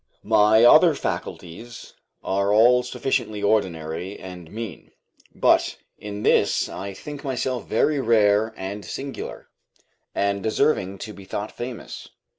My other faculties are all sufficiently ordinary and mean; but in this I think myself very rare and singular, and deserving to be thought famous.